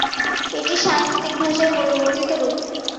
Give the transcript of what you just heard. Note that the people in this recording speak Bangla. এটি সাংকেতিক ভাষার পরিবর্তিত রূপ।